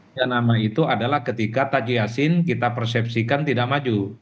tiga nama itu adalah ketika taji yassin kita persepsikan tidak maju